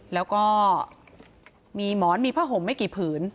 แล้วก็มีหมอนมีผ้าห่มไม่กี่ผืน